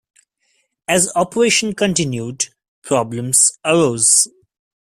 As operation continued, problems arose.